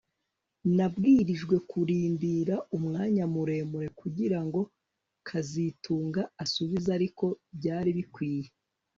Nabwirijwe kurindira umwanya muremure kugirango kazitunga asubize ariko byari bikwiye